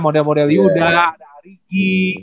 model model yuda ada ariki